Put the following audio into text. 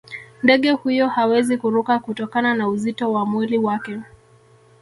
ndege huyo hawezi kuruka kutokana na uzito wa mwili wake